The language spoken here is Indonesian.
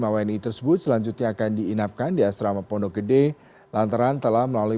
tiga ratus delapan puluh lima wni tersebut selanjutnya akan diinapkan di asrama pondok gede lantaran telah melalui